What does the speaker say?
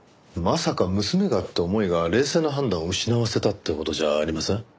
まさか娘がって思いが冷静な判断を失わせたって事じゃありません？